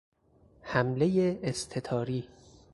حملهی استتاری